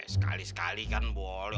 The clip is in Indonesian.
sekali sekali kan boleh